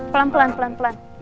pelan pelan pelan